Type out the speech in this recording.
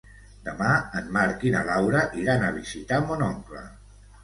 Demà en Marc i na Laura iran a visitar mon oncle.